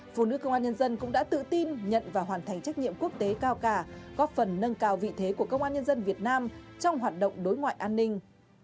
phụ nữ công an nhân dân cũng đã tự tin nhận và hoàn thành trách nhiệm quốc tế cao cả góp phần nâng cao vị thế của công an nhân dân việt nam trong hoạt động đối ngoại an ninh